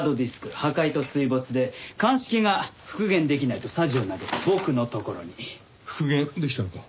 破壊と水没で鑑識が復元できないとさじを投げて僕のところに。復元できたのか？